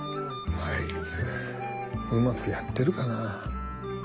あいつうまくやってるかな。